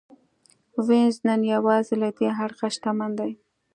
وینز نن یوازې له دې اړخه شتمن دی